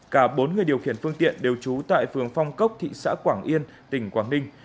cả bốn người điều khiển phương tiện đều trú tại phường phong cốc thị xã quảng yên tỉnh quảng ninh